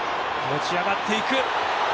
持ち上がっていく。